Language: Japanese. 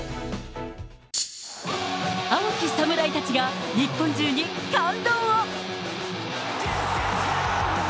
青き侍たちが日本中に感動を。